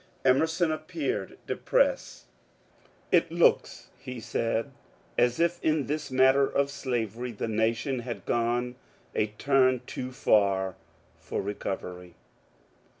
Emerson ap peared depressed. '^ It looks," he said, *^ as if in this matter of slavery the nation had gone a turn too far for recovery